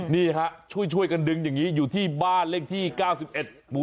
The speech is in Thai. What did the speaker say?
นี่ฮะช่วยกันดึงอย่างนี้อยู่ที่บ้านเลขที่๙๑หมู่